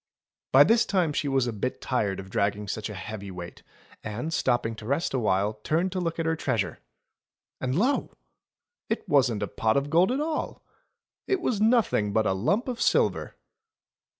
By this time she was a bit tired of dragging such a heavy weight, and, stopping to rest a while, turned to look at her treasure. And lo ! it wasn't a pot of gold at all ! It was nothing but a lump of silver.